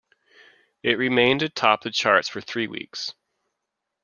It remained atop the charts for three weeks.